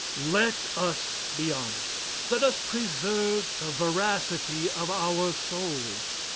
LET us be honest. Let us preserve the veracity of our souls.